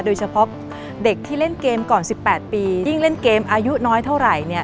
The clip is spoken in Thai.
โดยเฉพาะเด็กที่เล่นเกมก่อน๑๘ปียิ่งเล่นเกมอายุน้อยเท่าไหร่เนี่ย